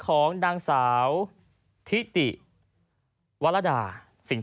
พร้อมกับหยิบมือถือขึ้นไปแอบถ่ายเลย